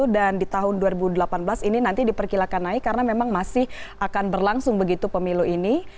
dan di tahun dua ribu delapan belas ini nanti diperkilakan naik karena memang masih akan berlangsung begitu pemilu ini